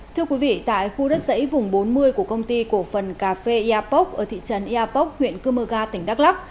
thưa quý vị tại khu đất dãy vùng bốn mươi của công ty cổ phần cà phê iapok ở thị trấn eapok huyện cơ mơ ga tỉnh đắk lắc